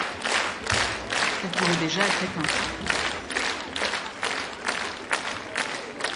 Elle pourrait déjà être éteinte.